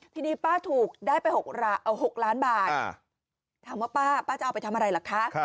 ทีนี้ป้าถูกได้ไป๖ล้านบาทถามว่าป้าป้าจะเอาไปทำอะไรล่ะคะ